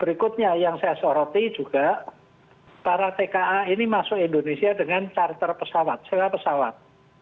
berikutnya yang saya soroti juga para tka ini masuk indonesia dengan charter pesawat secara pesawat